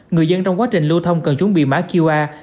người dân trong quá trình lưu thông cần chuẩn bị mã qr